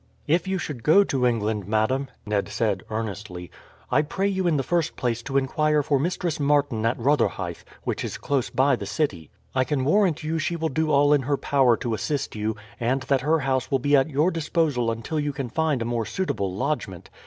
"If you should go to England, madam," Ned said earnestly, "I pray you in the first place to inquire for Mistress Martin at Rotherhithe, which is close by the city. I can warrant you she will do all in her power to assist you, and that her house will be at your disposal until you can find a more suitable lodgment.